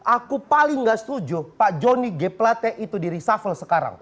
aku paling gak setuju pak jonny g pelate itu diresuffle sekarang